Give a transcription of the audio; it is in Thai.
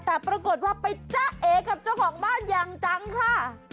แต่ปรากฏว่าไปจ้าเอกับเจ้าของบ้านอย่างจังค่ะ